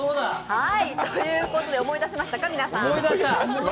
ということで、思い出しましたか、皆さん？